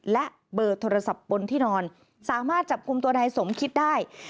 และเบอร์โทรศัพท์บนที่นอนสามารถจับกลุ่มตัวนายสมคิดได้